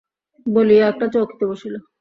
বলিয়া একটা চৌকিতে বসিল।